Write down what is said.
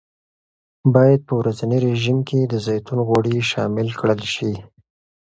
باید په ورځني رژیم کې د زیتون غوړي شامل کړل شي.